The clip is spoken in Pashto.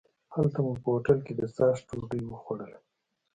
هلته مو په هوټل کې د څاښت ډوډۍ وخوړله.